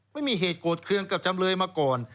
ไม่มีเหตุโกรธเครื่องกับจำเลยมาก่อน